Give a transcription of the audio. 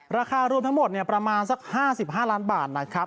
ราคารวมทั้งหมดประมาณสัก๕๕ล้านบาทนะครับ